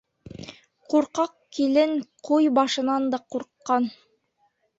Ҡурҡаҡ килен ҡуй башынан да ҡурҡҡан.